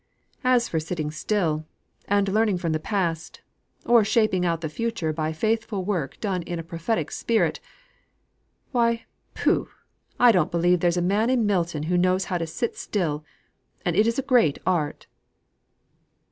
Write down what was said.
As for sitting still, and learning from the past, or shaping out the future by faithful work done in a prophetic spirit Why! Pooh! I don't believe there's a man in Milton who knows how to sit still; and it is a great art."